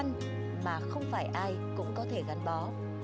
công việc khó khăn mà không phải ai cũng có thể gắn bó